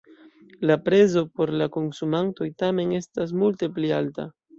La prezo por konsumantoj tamen estas multe pli alta.